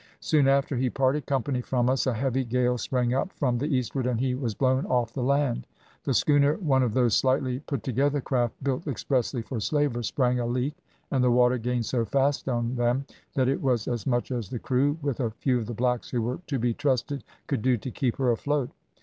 Soon after he parted company from us a heavy gale sprang up from the eastward, and he was blown off the land. The schooner, one of those slightly put together craft, built expressly for slavers, sprang a leak, and the water gained so fast on them, that it was as much as the crew, with a few of the blacks who were to be trusted, could do to keep her afloat.